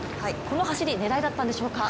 この走り、狙いだったんでしょうか。